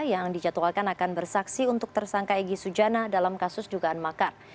yang dijadwalkan akan bersaksi untuk tersangka egy sujana dalam kasus dugaan makar